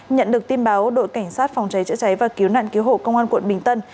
nhận được tin báo đội cảnh sát phòng cháy chữa cháy và cứu nạn cứu hộ công an quận bình tân